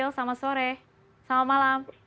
selamat sore selamat malam